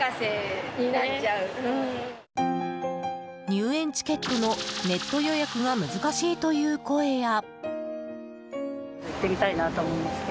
入園チケットのネット予約が難しいという声や。